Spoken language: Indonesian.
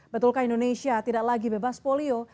betulkah indonesia tidak lagi bebas polio